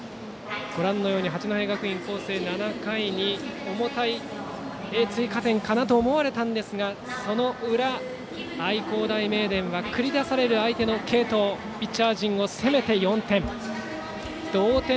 八戸学院光星が７回表に重たい追加点かと思われたんですがその裏、愛工大名電は繰り出される相手の継投ピッチャー陣を攻めて同点。